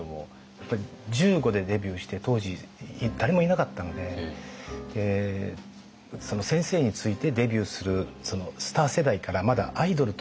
やっぱり１５でデビューして当時誰もいなかったので先生についてデビューするスター世代からアイドルというのがまだなかった。